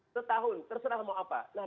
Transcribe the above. setahun terserah mau apa